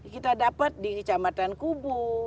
kita dapat di kecamatan kubu